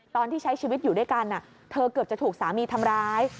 ตอนที่ใช้ชีวิตอยู่ด้วยกันเธอเกือบจะถูกสามีทำร้าย